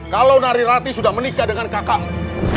kalau nari rati sudah menikah dengan kakakmu